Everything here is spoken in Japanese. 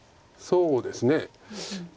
そうですね。